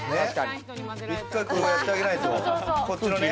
１回こうやってあげないと。